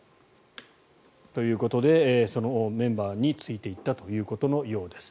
ということでそのメンバーについていったということのようです。